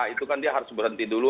itu kan dia harus berhenti dulu